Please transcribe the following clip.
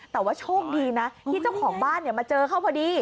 แต่ว่าโชคดีนะที่เจ้าของบ้านมาเจอเขาพอดี